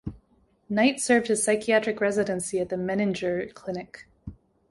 Knight served his psychiatric residency at the Menninger Clinic.